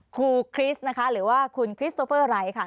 คริสนะคะหรือว่าคุณคริสโอเฟอร์ไร้ค่ะ